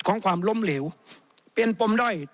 ความล้มเหลวเป็นปมด้อย